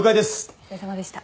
お疲れさまでした。